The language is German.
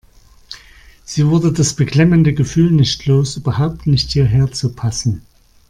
Sie wurde das beklemmende Gefühl nicht los, überhaupt nicht hierher zu passen.